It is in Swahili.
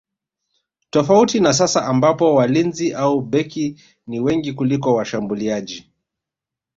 Tofauti na sasa ambapo walinzi au beki ni wengi kuliko washambuliaji